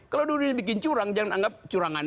kalau dua duanya bikin curang jangan anggap curangan